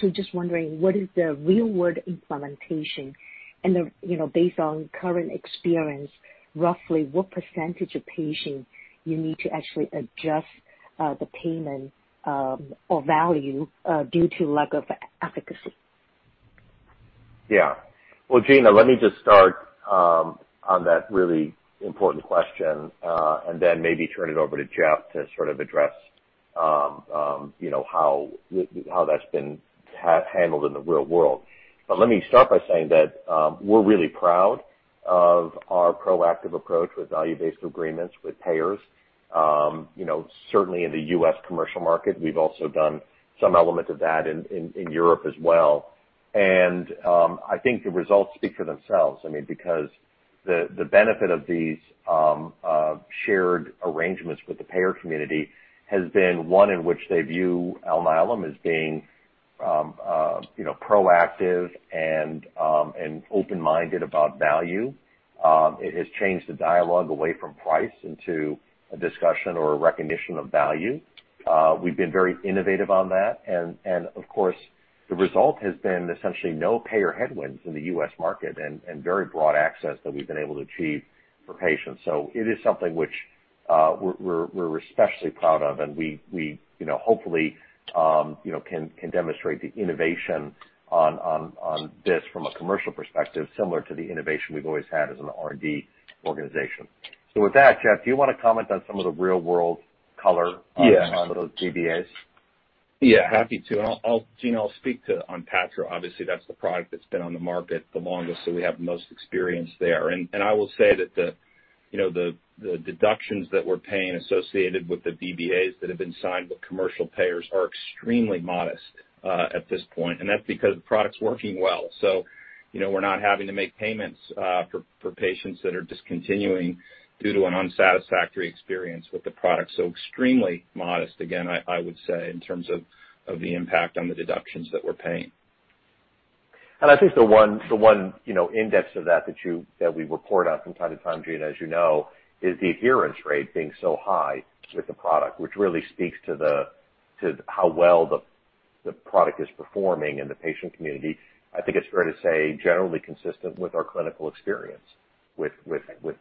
So just wondering, what is the real-world implementation? And based on current experience, roughly what percentage of patients you need to actually adjust the payment or value due to lack of efficacy? Yeah. Well, Gena, let me just start on that really important question and then maybe turn it over to Jeff to sort of address how that's been handled in the real world. But let me start by saying that we're really proud of our proactive approach with value-based agreements with payers. Certainly, in the U.S. commercial market, we've also done some element of that in Europe as well. And I think the results speak for themselves. I mean, because the benefit of these shared arrangements with the payer community has been one in which they view Alnylam as being proactive and open-minded about value. It has changed the dialogue away from price into a discussion or a recognition of value. We've been very innovative on that. Of course, the result has been essentially no payer headwinds in the U.S. market and very broad access that we've been able to achieve for patients. So it is something which we're especially proud of, and we hopefully can demonstrate the innovation on this from a commercial perspective, similar to the innovation we've always had as an R&D organization. So with that, Jeff, do you want to comment on some of the real-world color on those VBAs? Yeah. Happy to. Gena, I'll speak to ONPATTRO. Obviously, that's the product that's been on the market the longest, so we have the most experience there. And I will say that the deductions that we're paying associated with the VBAs that have been signed with commercial payers are extremely modest at this point. And that's because the product's working well. So we're not having to make payments for patients that are discontinuing due to an unsatisfactory experience with the product. So extremely modest, again, I would say, in terms of the impact on the deductions that we're paying. I think the one index of that that we report on from time to time, Gena, as you know, is the adherence rate being so high with the product, which really speaks to how well the product is performing in the patient community. I think it's fair to say generally consistent with our clinical experience with fitusiran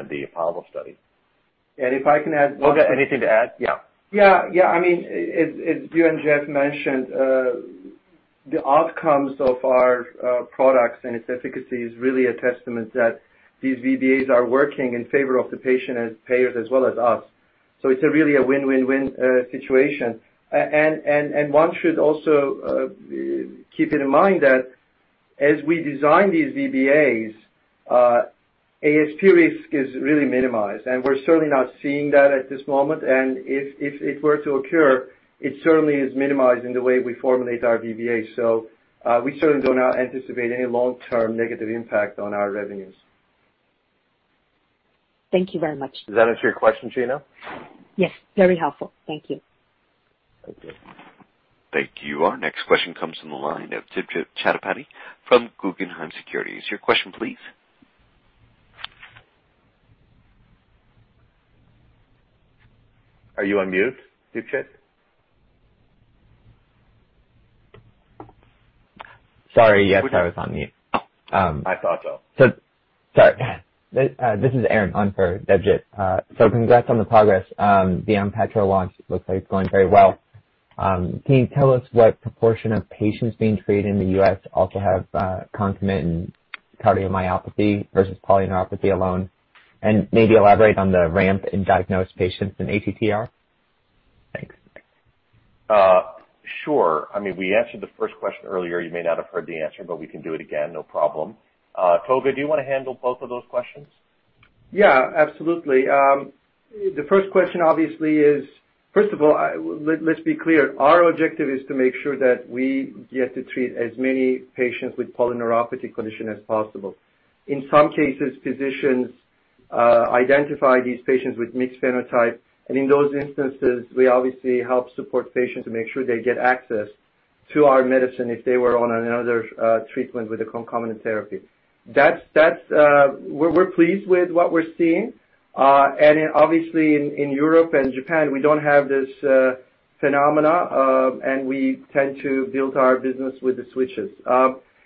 and the APOLLO study. And if I can add. Oh, anything to add? Yeah. Yeah. Yeah. I mean, as you and Jeff mentioned, the outcomes of our products and its efficacy is really a testament that these VBAs are working in favor of the patient and payers as well as us. So it's really a win-win-win situation. And one should also keep in mind that as we design these VBAs, ASP risk is really minimized. And we're certainly not seeing that at this moment. And if it were to occur, it certainly is minimized in the way we formulate our VBA. So we certainly do not anticipate any long-term negative impact on our revenues. Thank you very much. Does that answer your question, Gena? Yes. Very helpful. Thank you. Thank you. Thank you. Our next question comes from the line of Debjit Chattopadhyay from Guggenheim Securities. Your question, please. Are you on mute, Debjit? Sorry. Yes, I was on mute. I thought so. Sorry. This is Aaron on for Debjit. So congrats on the progress. The ONPATTRO launch looks like it's going very well. Can you tell us what proportion of patients being treated in the U.S. also have concomitant cardiomyopathy versus polyneuropathy alone? And maybe elaborate on the ramp in diagnosed patients in ATTR? Thanks. Sure. I mean, we answered the first question earlier. You may not have heard the answer, but we can do it again. No problem. Tolga, do you want to handle both of those questions? Yeah. Absolutely. The first question, obviously, is first of all, let's be clear. Our objective is to make sure that we get to treat as many patients with polyneuropathy condition as possible. In some cases, physicians identify these patients with mixed phenotype. And in those instances, we obviously help support patients to make sure they get access to our medicine if they were on another treatment with a concomitant therapy. We're pleased with what we're seeing. And obviously, in Europe and Japan, we don't have this phenomenon, and we tend to build our business with the switches.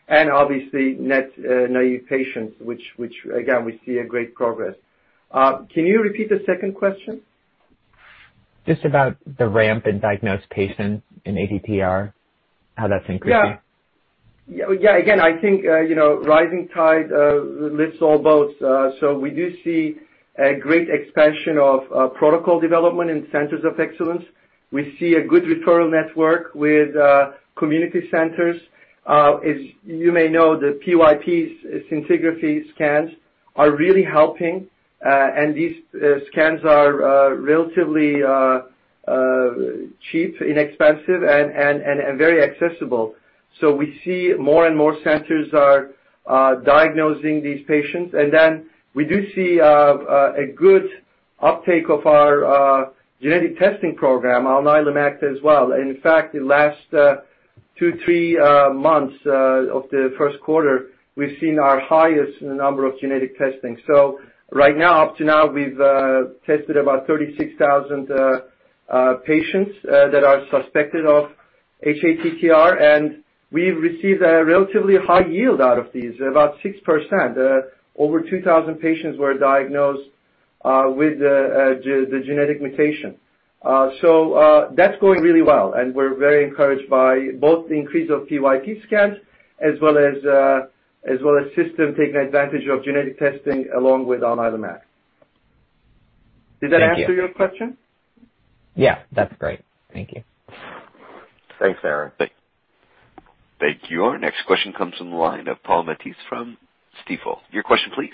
And obviously, net naive patients, which, again, we see a great progress. Can you repeat the second question? Just about the ramp in diagnosed patients in ATTR, how that's increasing. Yeah. Yeah. Again, I think rising tide lifts all boats. So we do see a great expansion of protocol development in centers of excellence. We see a good referral network with community centers. As you may know, the PYP scintigraphy scans are really helping. And these scans are relatively cheap, inexpensive, and very accessible. So we see more and more centers diagnosing these patients. And then we do see a good uptake of our genetic testing program, Alnylam Act as well. In fact, the last two, three months of the first quarter, we've seen our highest number of genetic testing. So right now, up to now, we've tested about 36,000 patients that are suspected of hATTR. And we've received a relatively high yield out of these, about 6%. Over 2,000 patients were diagnosed with the genetic mutation. So that's going really well. We're very encouraged by both the increase of PYP scans as well as system taking advantage of genetic testing along with Alnylam Act. Did that answer your question? Yeah. That's great. Thank you. Thanks, Aaron. Thank you. Our next question comes from the line of Paul Matteis from Stifel. Your question, please.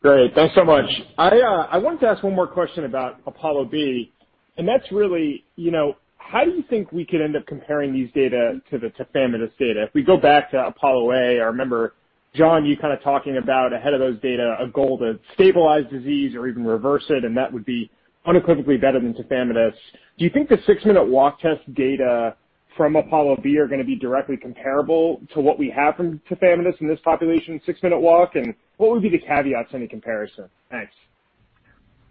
Great. Thanks so much. I wanted to ask one more question about APOLLO-B. And that's really how do you think we could end up comparing these data to the tafamidis data? If we go back to APOLLO A, I remember John you kind of talking about ahead of those data a goal to stabilize disease or even reverse it and that would be unequivocally better than tafamidis. Do you think the six-minute walk test data from APOLLO-B are going to be directly comparable to what we have from tafamidis in this population six-minute walk? And what would be the caveats in the comparison? Thanks.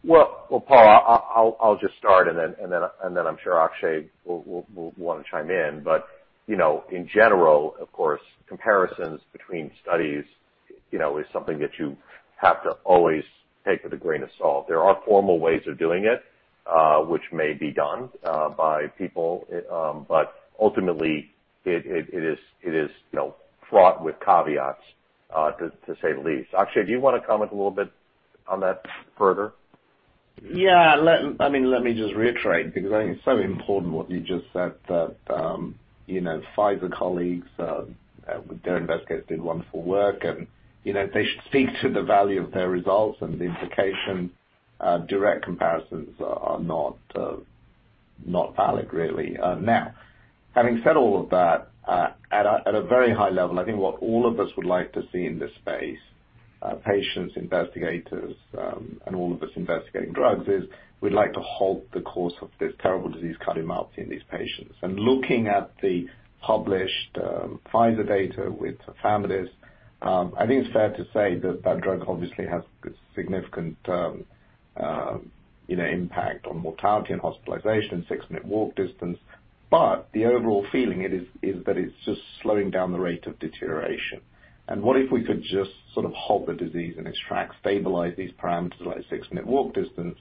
Paul, I'll just start, and then I'm sure Akshay will want to chime in. In general, of course, comparisons between studies is something that you have to always take with a grain of salt. There are formal ways of doing it, which may be done by people, but ultimately, it is fraught with caveats, to say the least. Akshay, do you want to comment a little bit on that further? Yeah. I mean, let me just reiterate because I think it's so important what you just said that Pfizer colleagues, their investigators did wonderful work, and they should speak to the value of their results and the implication. Direct comparisons are not valid, really. Now, having said all of that, at a very high level, I think what all of us would like to see in this space, patients, investigators, and all of us investigating drugs, is we'd like to halt the course of this terrible disease, cardiomyopathy, in these patients. And looking at the published Pfizer data with tafamidis, I think it's fair to say that that drug obviously has significant impact on mortality and hospitalization and 6-minute walk distance. But the overall feeling is that it's just slowing down the rate of deterioration. What if we could just sort of halt the disease and arrest, stabilize these parameters like six-minute walk distance,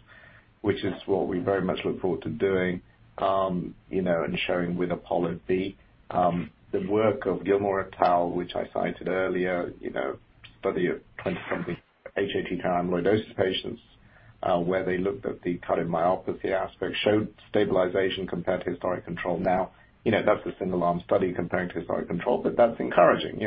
which is what we very much look forward to doing and showing with APOLLO-B. The work of Gillmore et al., which I cited earlier, study of 20-something hATTR amyloidosis patients where they looked at the cardiomyopathy aspect, showed stabilization compared to historic control. Now, that's a single-arm study comparing to historic control, but that's encouraging.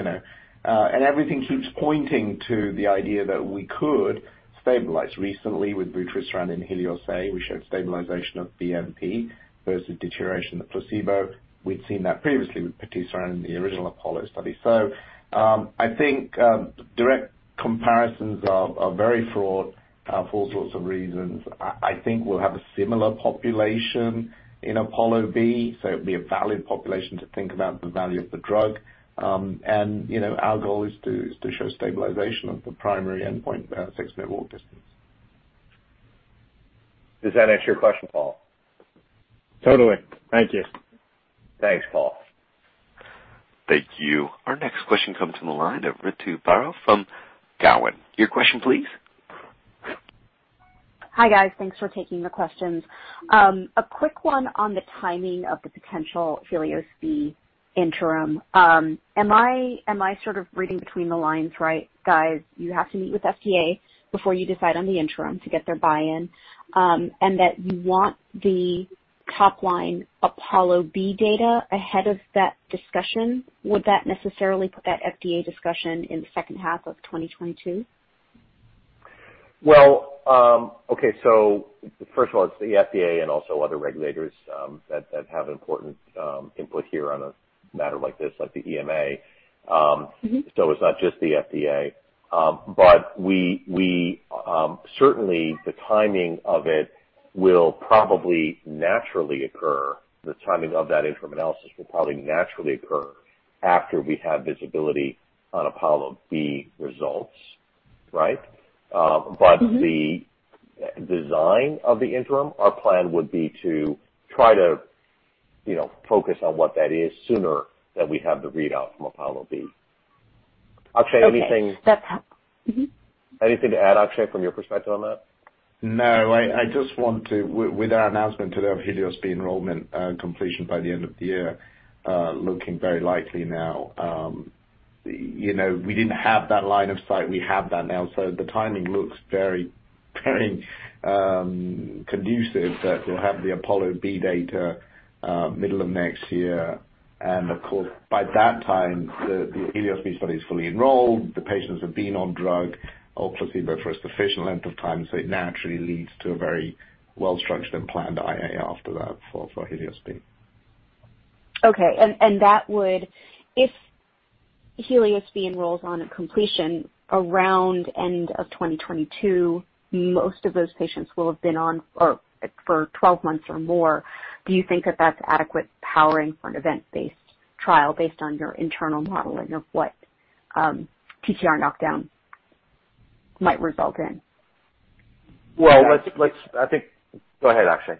Everything keeps pointing to the idea that we could stabilize. Recently, with vutrisiran and HELIOS-A, we showed stabilization of NT-proBNP versus deterioration of the placebo. We'd seen that previously with vutrisiran in the original APOLLO study. I think direct comparisons are very fraught for all sorts of reasons. I think we'll have a similar population in APOLLO-B, so it would be a valid population to think about the value of the drug. And our goal is to show stabilization of the primary endpoint, 6-minute walk distance. Does that answer your question, Paul? Totally. Thank you. Thanks, Paul. Thank you. Our next question comes from the line of Ritu Baral from Cowen. Your question, please. Hi, guys. Thanks for taking the questions. A quick one on the timing of the potential HELIOS-B interim. Am I sort of reading between the lines right? Guys, you have to meet with FDA before you decide on the interim to get their buy-in, and that you want the top-line APOLLO-B data ahead of that discussion. Would that necessarily put that FDA discussion in the second half of 2022? Okay. So first of all, it's the FDA and also other regulators that have an important input here on a matter like this, like the EMA. So it's not just the FDA. But certainly, the timing of it will probably naturally occur. The timing of that interim analysis will probably naturally occur after we have visibility on APOLLO-B results, right? But the design of the interim, our plan would be to try to focus on what that is sooner than we have the readout from APOLLO-B. Akshay, anything? Anything to add, Akshay, from your perspective on that? No. I just want to, with our announcement today of HELIOS-B enrollment completion by the end of the year, looking very likely now. We didn't have that line of sight. We have that now. So the timing looks very conducive that we'll have the APOLLO-B data middle of next year. And of course, by that time, the HELIOS-B study is fully enrolled. The patients have been on drug or placebo for a sufficient length of time, so it naturally leads to a very well-structured and planned IA after that for HELIOS-B. Okay. And if HELIOS-B enrollment completion around the end of 2022, most of those patients will have been on for 12 months or more. Do you think that that's adequate powering for an event-based trial based on your internal modeling of what TTR knockdown might result in? Go ahead, Akshay.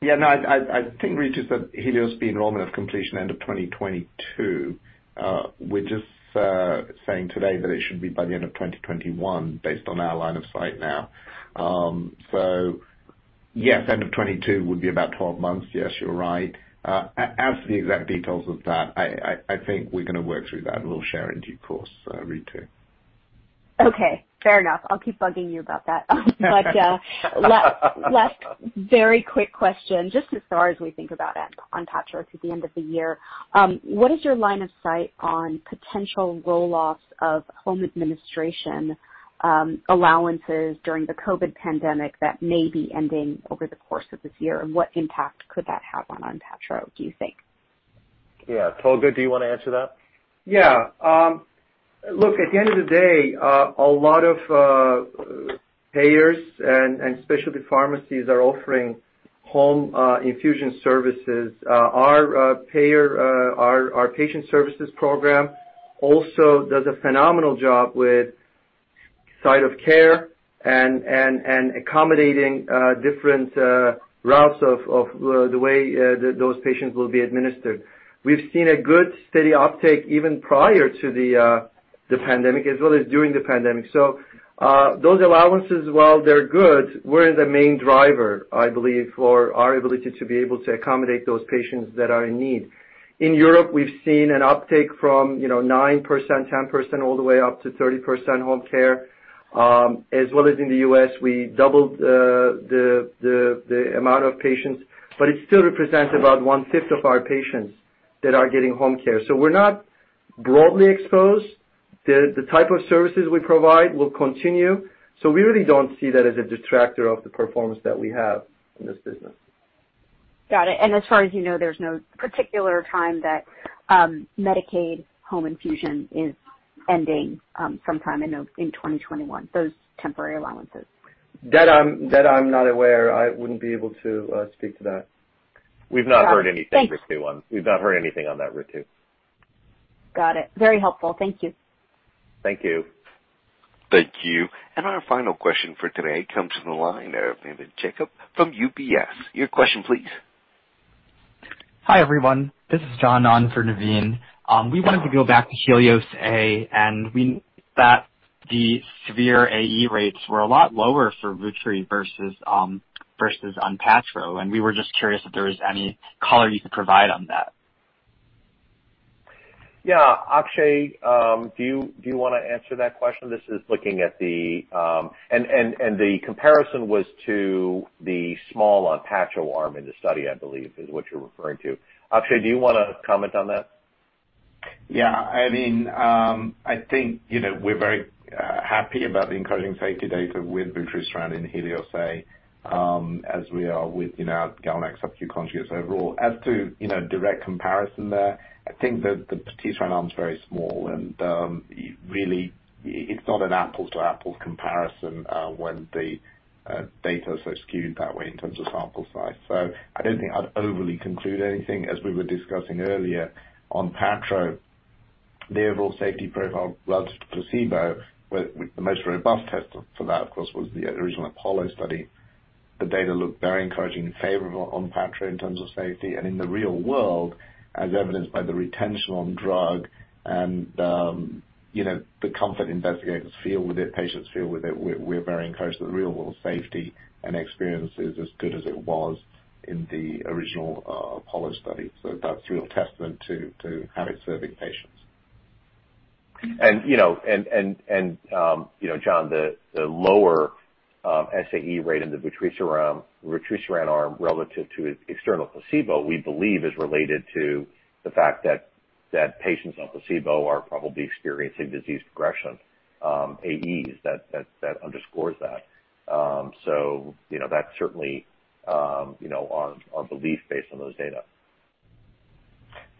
Yeah. No, I think we just said HELIOS-B enrollment completion end of 2022. We're just saying today that it should be by the end of 2021 based on our line of sight now. So yes, end of 2022 would be about 12 months. Yes, you're right. As for the exact details of that, I think we're going to work through that, and we'll share it in due course, Ritu. Okay. Fair enough. I'll keep bugging you about that. But last very quick question, just as far as we think about ONPATTRO to the end of the year. What is your line of sight on potential roll-offs of home administration allowances during the COVID pandemic that may be ending over the course of this year? And what impact could that have on ONPATTRO, do you think? Yeah. Tolga, do you want to answer that? Yeah. Look, at the end of the day, a lot of payers and specialty pharmacies are offering home infusion services. Our patient services program also does a phenomenal job with site of care and accommodating different routes of the way those patients will be administered. We've seen a good steady uptake even prior to the pandemic as well as during the pandemic. So those allowances, while they're good, were the main driver, I believe, for our ability to be able to accommodate those patients that are in need. In Europe, we've seen an uptake from 9%, 10%, all the way up to 30% home care. As well as in the U.S., we doubled the amount of patients, but it still represents about one-fifth of our patients that are getting home care. So we're not broadly exposed. The type of services we provide will continue. So we really don't see that as a detractor of the performance that we have in this business. Got it. And as far as you know, there's no particular time that Medicaid home infusion is ending sometime in 2021, those temporary allowances? That I'm not aware. I wouldn't be able to speak to that. We've not heard anything on that, Ritu. Got it. Very helpful. Thank you. Thank you. Thank you. And our final question for today comes from the line of Navin Jacob from UBS. Your question, please. Hi everyone. This is Jon on for Navin. We wanted to go back to HELIOS-A, and we knew that the severe AE rates were a lot lower for vutrisiran versus ONPATTRO. And we were just curious if there was any color you could provide on that. Yeah. Akshay, do you want to answer that question? This is looking at the, and the comparison was to the small ONPATTRO arm in the study, I believe, is what you're referring to. Akshay, do you want to comment on that? Yeah. I mean, I think we're very happy about the encouraging safety data with vutrisiran and HELIOS-A as we are with our GalNAc siRNA conjugates overall. As to direct comparison there, I think that the TTR arm's very small, and really, it's not an apples-to-apples comparison when the data are so skewed that way in terms of sample size. So I don't think I'd overly conclude anything. As we were discussing earlier, ONPATTRO, the overall safety profile relative to placebo, the most robust test for that, of course, was the original APOLLO study. The data looked very encouraging in favor of ONPATTRO in terms of safety. And in the real world, as evidenced by the retention on drug and the comfort investigators feel with it, patients feel with it, we're very encouraged that the real-world safety and experience is as good as it was in the original APOLLO study. So that's a real testament to how it's serving patients. John, the lower SAE rate in the vutrisiran arm relative to external placebo, we believe, is related to the fact that patients on placebo are probably experiencing disease progression, AEs, that underscores that. So that's certainly our belief based on those data.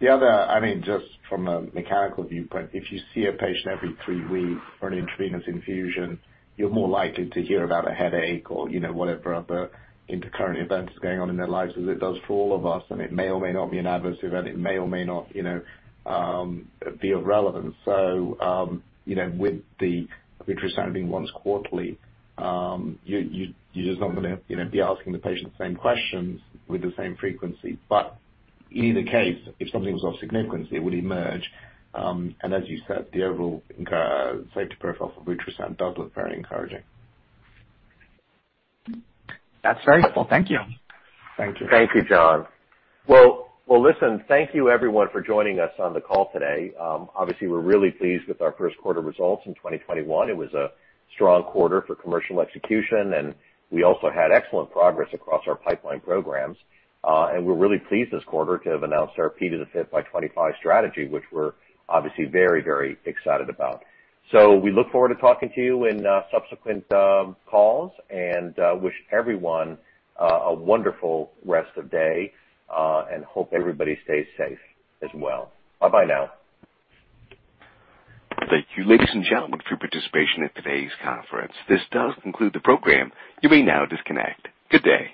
Yeah. I mean, just from a mechanical viewpoint, if you see a patient every three weeks for an intravenous infusion, you're more likely to hear about a headache or whatever other intercurrent event is going on in their lives as it does for all of us. And it may or may not be an adverse event. It may or may not be of relevance. So with the vutrisiran being once quarterly, you're just not going to be asking the patient the same questions with the same frequency. But in either case, if something was of significance, it would emerge. And as you said, the overall safety profile for vutrisiran does look very encouraging. That's very helpful. Thank you. Thank you. Thank you, Jon. Well, listen, thank you, everyone, for joining us on the call today. Obviously, we're really pleased with our first quarter results in 2021. It was a strong quarter for commercial execution, and we also had excellent progress across our pipeline programs, and we're really pleased this quarter to have announced our P5x25 strategy, which we're obviously very, very excited about, so we look forward to talking to you in subsequent calls and wish everyone a wonderful rest of the day and hope everybody stays safe as well. Bye-bye now. Thank you, ladies and gentlemen, for your participation in today's conference. This does conclude the program. You may now disconnect. Good day.